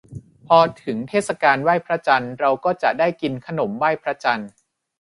พอถึงเทศกาลไหว้พระจันทร์ เราก็จะได้กินขนมไหว้พระจันทร์